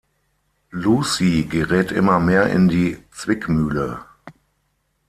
Lucy gerät immer mehr in die Zwickmühle.